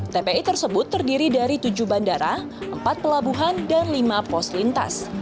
tpi tersebut terdiri dari tujuh bandara empat pelabuhan dan lima pos lintas